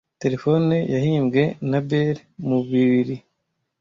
Terefone yahimbwe na Bell mu bibiri.